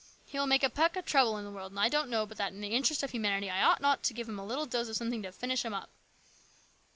He will make a peck of trouble in the world, and I don't know but that in the interest of humanity I ought not to give him a little dose of something to finish him up."